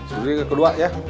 sudah ke kedua ya